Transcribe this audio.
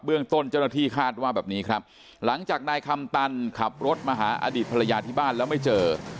เรื่องต้นเจ้าหน้าที่คาดว่าแบบนี้ครับหลังจากนายคำตันขับรถมาหาอดีตภรรยาที่บ้านแล้วไม่เจอ